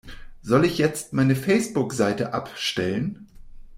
Soll ich jetzt meine Facebookseite abstellen?